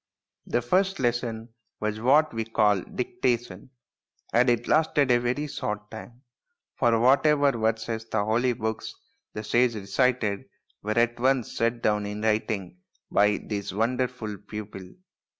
The first lesson was what we call dicta tion, and it lasted a very short time, for whatever verses from the holy books the sage recited were at once set down in writing by this wonderful pupil.